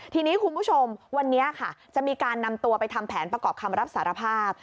ทีนี้คุณผู้ชมวันนี้ค่ะจะมีการนำตัวไปทำแผนประกอบคำรับสารภาพ